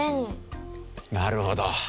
なるほど。